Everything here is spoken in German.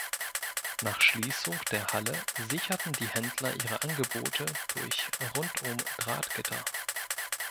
Nach Schließung der Halle sicherten die Händler ihre Angebote durch Rundum-Drahtgitter.